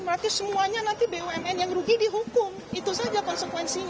berarti semuanya nanti bumn yang rugi dihukum itu saja konsekuensinya